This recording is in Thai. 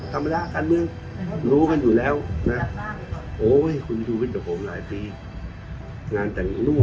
ทำไมเนี้ยคุณชุวิตต่อว่าปราบกรรมตายล่ะ